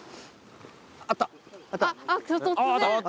あった！